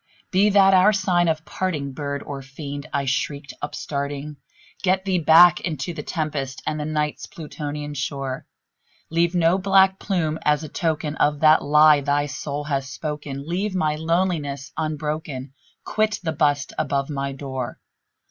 "Be that word our sign of parting, bird or fiend!" I shrieked, upstarting "Get thee back into the tempest and the Night's Plutonian shore! Leave no black plume as a token of that lie thy soul hath spoken! Leave my loneliness unbroken! quit the bust above my door!